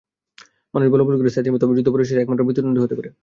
মানুষ বলাবলি করে, সাঈদীর মতো যুদ্ধাপরাধীর সাজা একমাত্র মৃত্যুদণ্ডই হতে পারে।